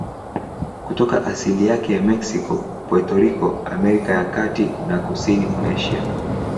Kutoka asili yake ya Meksiko, Puerto Rico, Amerika ya Kati na kusini mwa Asia.